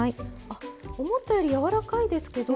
あ思ったよりやわらかいですけど。